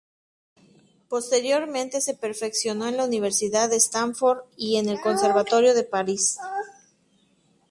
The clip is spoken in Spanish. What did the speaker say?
Posteriormente, se perfeccionó en la Universidad Stanford y en el Conservatorio de París.